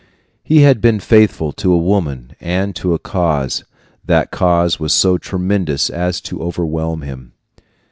He had been faithful to a woman and to a cause. That cause was so tremendous as to overwhelm him.